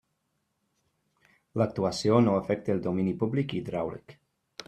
L'actuació no afecta el domini públic hidràulic.